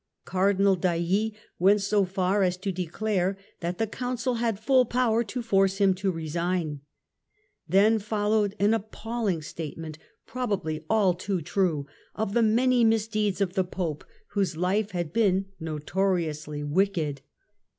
Cardinal d'Ailly went so far as to declare that the Council had full power to force him to resign. Then followed an appalling statement, probably all too true, of the many misdeeds of the Pope, whose life had been notoriously wicked.